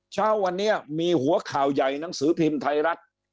เช้าวันนี้มีหัวข่าวใหญ่หนังสือพิมพ์ไทยรัฐ